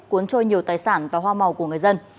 cuốn trôi nhiều tài sản và hoa màu của người dân